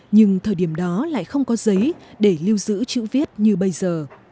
nhưng thời điểm đó lại không có giấy để lưu giữ chữ viết như bây giờ